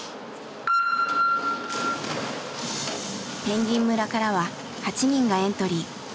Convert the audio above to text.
ぺんぎん村からは８人がエントリー。